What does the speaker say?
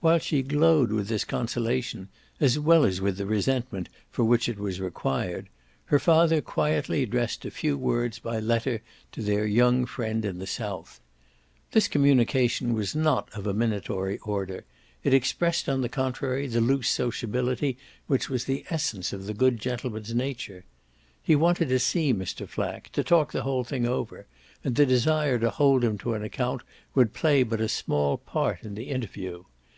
While she glowed with this consolation as well as with the resentment for which it was required her father quietly addressed a few words by letter to their young friend in the south. This communication was not of a minatory order; it expressed on the contrary the loose sociability which was the essence of the good gentleman's nature. He wanted to see Mr. Flack, to talk the whole thing over, and the desire to hold him to an account would play but a small part in the interview.